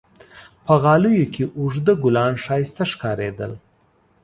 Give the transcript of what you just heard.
په غالیو کې اوږده ګلان ښایسته ښکارېدل.